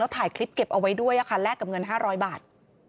แล้วถ่ายคลิปเก็บเอาไว้ด้วยค่ะแลกกับเงินห้าร้อยบาท